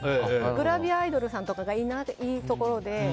グラビアアイドルさんとかがいないところで。